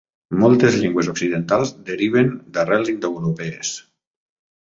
Moltes llengües occidentals deriven d'arrels indoeuropees